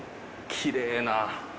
きれいな。